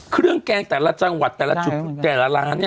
เครื่องแกงแต่ละจังหวัดแต่ละร้านเนี่ย